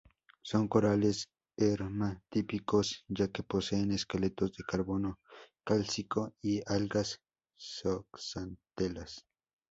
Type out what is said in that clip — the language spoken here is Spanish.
Son corales hermatípicos, ya que poseen esqueletos de carbonato cálcico y algas zooxantelas.